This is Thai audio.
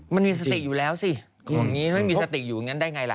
มันมีสติอยู่แล้วสิของอย่างนี้ไม่มีสติอยู่อย่างนั้นได้ไงล่ะ